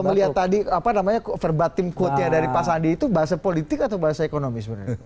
melihat tadi apa namanya verbatim quote nya dari pak sandi itu bahasa politik atau bahasa ekonomi sebenarnya